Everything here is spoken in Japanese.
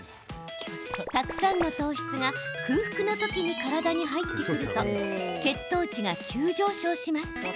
たくさんの糖質が空腹の時に体に入ってくると血糖値が急上昇します。